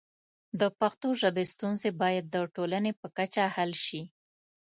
د پښتو ژبې ستونزې باید د ټولنې په کچه حل شي.